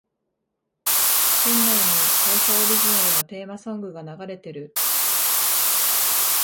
店内に会社オリジナルのテーマソングが流れてる